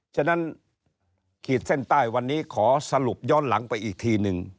ฉะนั้นขีดเส้นใต้วันนี้ขอสรุปย้อนหลังไปอีกทีหนึ่ง